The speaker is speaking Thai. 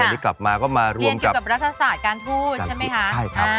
แล้วที่กลับมาก็มารวมกับเรียนเกี่ยวกับรัฐศาสตร์การทูตใช่ไหมคะ